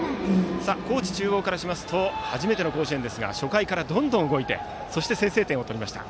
高知中央からしますと初めての甲子園ですが初回からどんどん動いて先制点を取りました。